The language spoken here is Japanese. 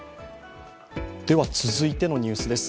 続いてのニュースです。